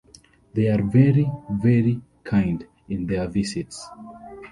They are very, very kind in their visits.